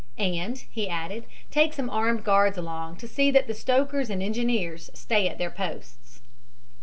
"And," he added, "take some armed guards along to see that the stokers and engineers stay at their posts."